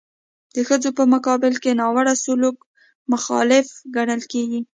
د ښځو په مقابل کې ناوړه سلوک مخالف ګڼل کیږي.